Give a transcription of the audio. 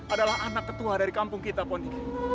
adalah anak ketua dari kampung kita pondiki